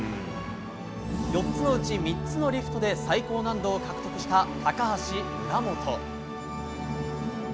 ４つのうち３つのリフトで最高難度の獲得した高橋、村元。